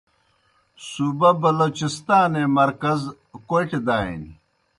صوبہ بلوچستانے مرکز کوئٹہ دانیْ۔